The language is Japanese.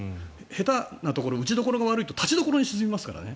下手なところ打ちどころが悪いとたちどころに沈みますからね。